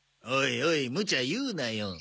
おいおいむちゃ言うなよ。